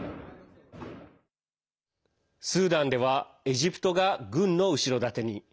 スーダンではエジプトが軍の後ろ盾に。